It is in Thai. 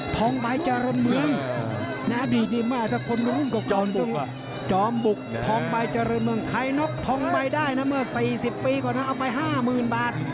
ทองใบเจริญเมืองน่าดีมากทุกคนรู้จอมบุกทองใบเจริญเมืองใครน็อกทองใบได้นะเมื่อ๔๐ปีกว่านั้นเอาไป๕๐๐๐๐บาท